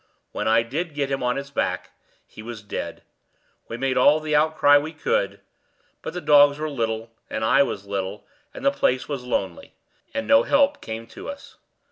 When I did get him on his back, he was dead. We made all the outcry we could; but the dogs were little, and I was little, and the place was lonely; and no help came to us.